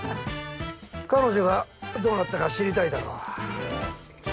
彼女がどうなったか知りたいだろう。